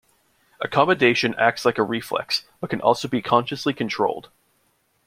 Accommodation acts like a reflex, but can also be consciously controlled.